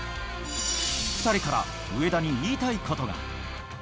２人から上田に言いたいことが。